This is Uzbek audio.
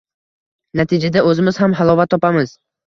Natijada, o‘zimiz ham halovat topamiz